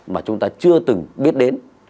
mà chúng ta chưa từng biết đến